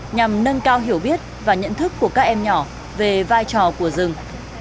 nhằm nâng cao hiểu biết và nhận thức của các em nhỏ về vai trò của rừng